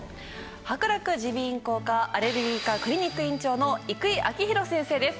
はくらく耳鼻咽喉科アレルギー科クリニック院長の生井明浩先生です。